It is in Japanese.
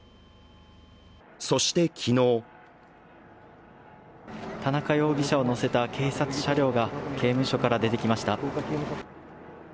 そして昨日田中容疑者を乗せた警察車両が刑務所から出てきました。